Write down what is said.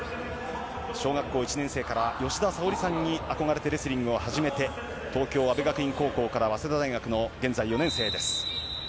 小学校１年生から吉田沙保里さんに憧れてレスリングを始めて東京・安部学院高校から早稲田大学の現在４年生です。